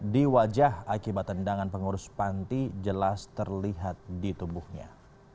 di wajah akibat tendangan pengurus panti jelas terlihat di tubuhnya